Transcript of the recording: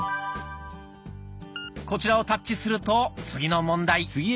こちらをタッチすると次の問題。